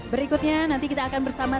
berikutnya nanti kita akan bersama